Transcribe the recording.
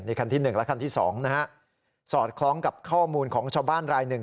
คันที่๑และคันที่๒นะฮะสอดคล้องกับข้อมูลของชาวบ้านรายหนึ่ง